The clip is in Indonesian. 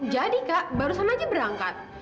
jadi kak baru sama aja berangkat